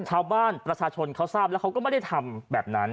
ชาวบ้านประชาชนเขาทราบแล้วเขาก็ไม่ได้ทำแบบนั้น